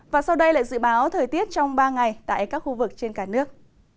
và sau đây là dự báo thời tiết trong ba ngày tại các khu vực trên cả nước